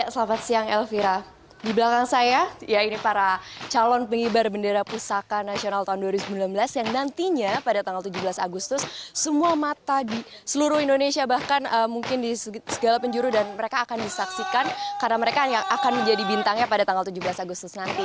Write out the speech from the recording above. selamat siang elvira di belakang saya ya ini para calon pengibar bendera pusaka nasional tahun dua ribu sembilan belas yang nantinya pada tanggal tujuh belas agustus semua mata di seluruh indonesia bahkan mungkin di segala penjuru dan mereka akan disaksikan karena mereka yang akan menjadi bintangnya pada tanggal tujuh belas agustus nanti